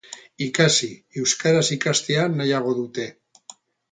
Ikasi, euskaraz ikastea nahiago dute.